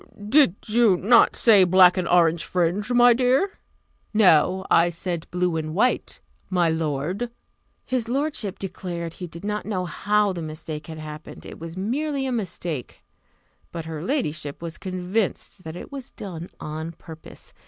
"Did you not say black and orange fringe, my dear?" "No. I said blue and white, my lord." His lordship declared he did not know how the mistake had happened; it was merely a mistake: but her ladyship was convinced that it was done on purpose.